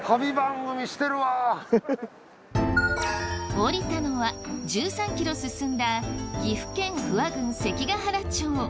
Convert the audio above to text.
降りたのは１３ｋｍ進んだ岐阜県不破郡関ケ原町。